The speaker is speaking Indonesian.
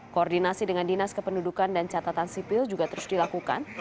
koordinasi dengan dinas kependudukan dan catatan sipil juga terus dilakukan